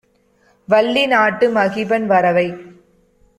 வள்ளி நாட்டு மகிபன் வரவைக்